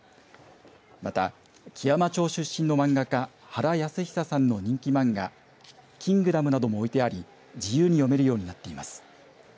また基山町出身の漫画家原泰久さんの人気漫画キングダムなども置いてあり自由に読めるようになっています。